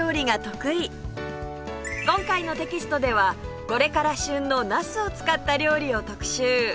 今回のテキストではこれから旬のなすを使った料理を特集